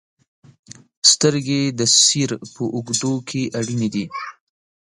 • سترګې د سیر په اوږدو کې اړینې دي.